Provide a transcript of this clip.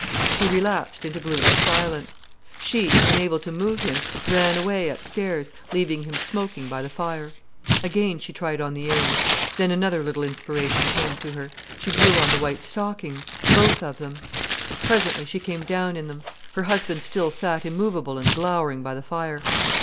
He relapsed into gloomy silence. She, unable to move him, ran away upstairs, leaving him smoking by the fire. Again she tried on the ear rings. Then another little inspiration came to her. She drew on the white stockings, both of them. Presently she came down in them. Her husband still sat immovable and glowering by the fire.